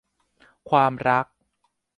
ความรัก